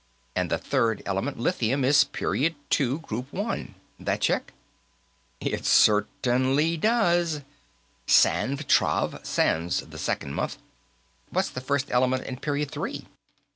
And the third element, lithium, is Period Two, Group One. That check?" "It certainly does. Sanv, Trav; Sanv's the second month. What's the first element in Period Three?"